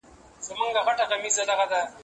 زموږ باغوان هره ونه اوبه کړه.